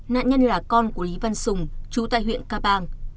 nạn nhân là con của lý văn sùng chú tại huyện ca bang